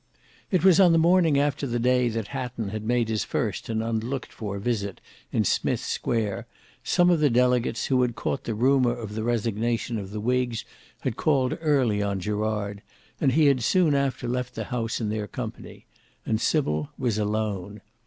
It was on the morning after the day that Hatton had made his first and unlooked for visit in Smith's Square, some of the delegates who had caught the rumour of the resignation of the whigs had called early on Gerard, and he had soon after left the house in their company; and Sybil was alone.